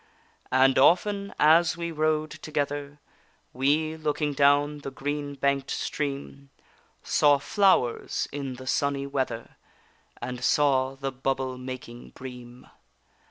And often as we rode together, We, looking down the green bank'd stream, Saw flowers in the sunny weather, And saw the bubble making bream.